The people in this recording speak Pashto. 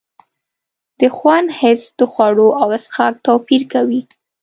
د خوند حس د خوړو او څښاک توپیر کوي.